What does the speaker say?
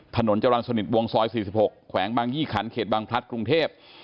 ถนนจรรย์สนิทวงศรษภ์สี่สิบหกแขวงบางยี่ขันเขตบางพลัดกรุงเทพ